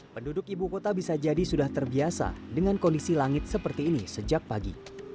penduduk ibu kota bisa jadi sudah terbiasa dengan kondisi langit seperti ini sejak pagi